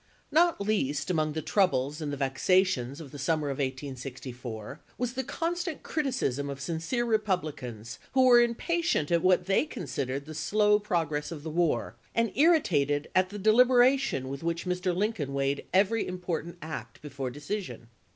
H^TOT least among the troubles and the vexa li tions of the summer of 1864 was the constant criticism of sincere Kepublicans who were impa tient at what they considered the slow progress of the war, and irritated at the deliberation with which Mr. Lincoln weighed every important act before decision.